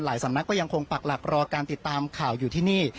สำนักก็ยังคงปักหลักรอการติดตามข่าวอยู่ที่นี่